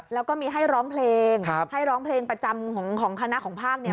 แล้วก็มีให้ร้องเพลงให้ร้องเพลงประจำของคณะของภาคเนี่ย